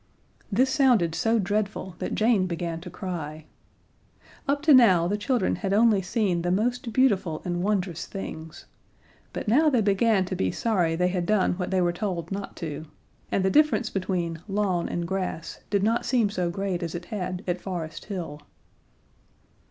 This sounded so dreadful that Jane began to cry. Up to now the children had only seen the most beautiful and wondrous things, but now they began to be sorry they had done what they were told not to, and the difference between "lawn" and "grass" did not seem so great as it had at Forest Hill.